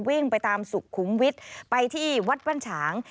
วิ่งไปตามสุขุมวิทย์ไปที่วัดบ้านฉาง